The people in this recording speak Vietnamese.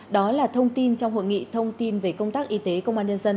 đó là thông tin trong hội nghị thông tin về công tác y tế công an nhân dân